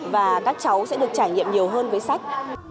và các cháu sẽ được trải nghiệm nhiều hơn với sách